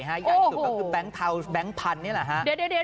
ใหญ่สุดก็คือแบงค์เทาแบงค์พันธุ์นี่แหละฮะ